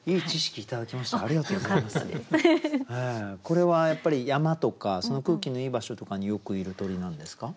これはやっぱり山とかその空気のいい場所とかによくいる鳥なんですか？